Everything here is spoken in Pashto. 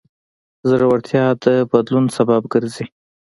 زړورتیا د بدلون سبب ګرځي.